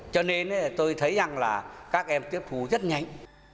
cho nên tôi thấy rằng là các em tiếp thu rất nhanh